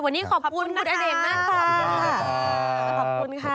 วันนี้ขอบคุณคุณอเนกมาก